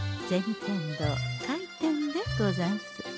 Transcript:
天堂開店でござんす。